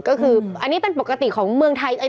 ก็คืออันนี้เป็นปกติของเมืองไทย